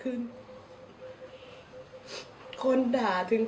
แล้วบอกว่าไม่รู้นะ